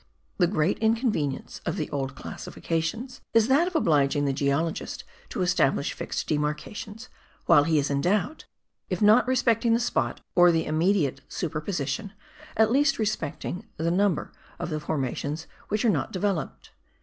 The great inconvenience of the old classification is that of obliging the geologist to establish fixed demarcations, while he is in doubt, if not respecting the spot or the immediate superposition, at least respecting the number of the formations which are not developed.